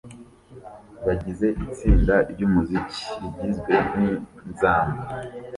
bagize itsinda ry'umuziki rigizwe n'inzamba